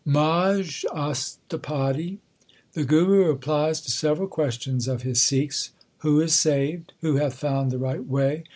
MAJH ASHTAPADI The Guru replies to several questions of his Sikhs : Who is saved ? Who hath found the right way